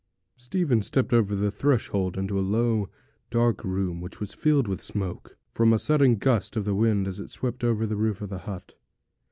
Stephen stepped over the threshold into a low, dark room, which was filled with smoke, from a sudden gust of the wind as it swept over the roof of the hut.